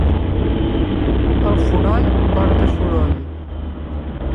El fonoll porta soroll.